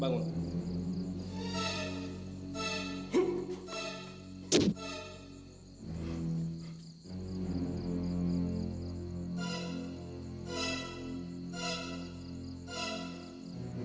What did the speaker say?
tenang pak man